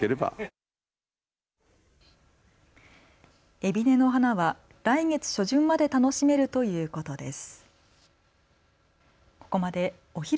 エビネの花は来月初旬まで楽しめるということです。